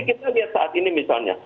kita lihat saat ini misalnya